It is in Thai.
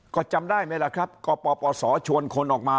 ก็จำได้ไหมล่ะครับกปศชวนคนออกมา